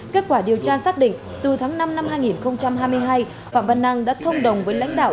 kết quả điều tra xác định từ tháng năm năm hai nghìn hai mươi hai phạm văn năng đã thông đồng với lãnh đạo